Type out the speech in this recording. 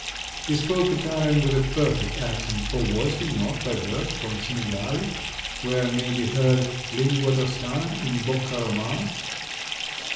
He spoke Italian with a perfect accent—for was he not by birth from Sinigali, where may be heard "lingua toscana in bocca romana"!